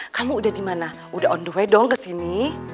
kamu udah dimana udah on the way dong kesini